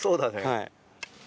はい。